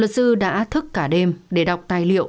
luật sư đã thức cả đêm để đọc tài liệu